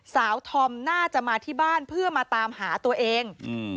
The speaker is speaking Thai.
สาวธรรมน่าจะมาที่บ้านเพื่อมาตามหาตัวเอง